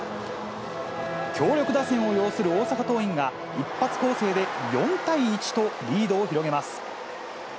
強力打線を擁する大阪桐蔭が、一発攻勢で４対１と、リードを広げます。